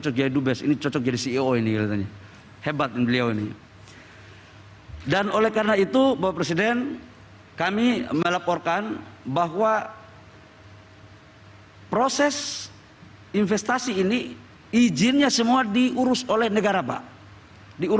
khususnya keperluan ekonomi dan teknologi